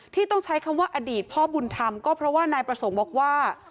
ที่ต้องใช้คำว่าอดีตพ่อบุญธรรมก็เพราะว่านายประสงค์บอกว่า